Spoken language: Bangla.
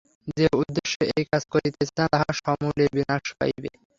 যে উদ্দেশ্যে এই কাজ করিতে চান, তাহা সমূলে বিনাশ পাইবে।